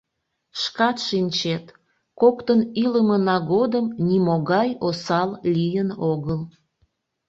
Шкат шинчет: коктын илымына годым нимогай осал лийын огыл.